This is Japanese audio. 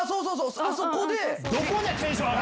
あそこで。